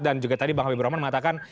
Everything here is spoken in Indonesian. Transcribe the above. dan juga tadi bang habib roman mengatakan